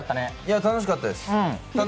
楽しかったです